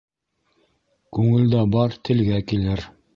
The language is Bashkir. Күңелдә бар телгә килер.